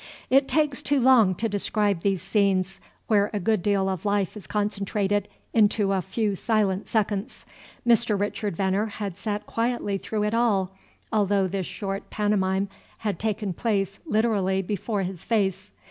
It takes too long to describe these scenes where a good deal of life is concentrated into a few silent seconds. Mr. Richard Veneer had sat quietly through it all, although this short pantomime had taken place literally before his face.